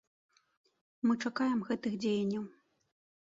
Мы чакаем гэтых дзеянняў.